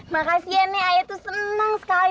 makasih ya nek ayah tuh seneng sekali